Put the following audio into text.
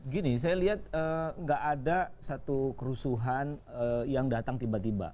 gini saya lihat nggak ada satu kerusuhan yang datang tiba tiba